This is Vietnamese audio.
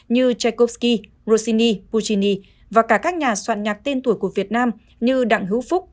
như tchaikovsky rossini puccini và cả các nhà soạn nhạc tên tuổi của việt nam như đặng hữu phúc